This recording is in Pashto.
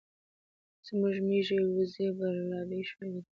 زموږ ميږي او وزې برالبې شوې دي